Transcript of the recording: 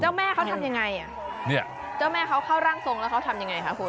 แม่เขาทำยังไงอ่ะเนี่ยเจ้าแม่เขาเข้าร่างทรงแล้วเขาทำยังไงคะคุณ